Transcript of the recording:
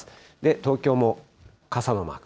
東京も傘のマーク。